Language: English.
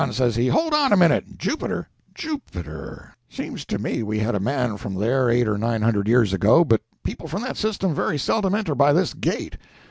says he—"hold on a minute! Jupiter ... Jupiter ... Seems to me we had a man from there eight or nine hundred years ago—but people from that system very seldom enter by this gate."